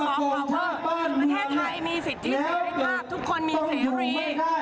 ซึ่งใช้เป็นรูปแบบของซองค์ว่าว่าประเทศไทยมีสิทธิให้ภาพทุกคนมีเสียรี